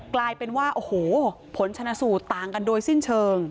กลายเป็นว่าโอ้โหผลชนะสูตรต่างกันโดยสิ้นเชิง